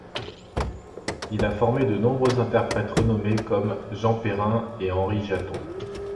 Il a formé de nombreux interprètes renommés comme Jean Perrin ou Henri Jaton.